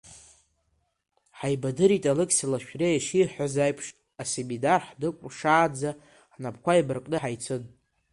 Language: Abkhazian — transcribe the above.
Ҳаибадырит, Алықьса Лашәриа ишиҳәаз аиԥш, асеминар хдыркәшаанӡа ҳнапқәа еибаркны ҳаицын.